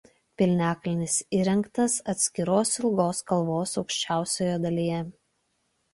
Piliakalnis įrengtas atskiros ilgos kalvos aukščiausioje dalyje.